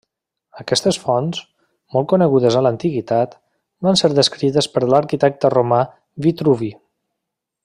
Aquestes fonts, molt conegudes en l'antiguitat, van ser descrites per l'arquitecte romà Vitruvi.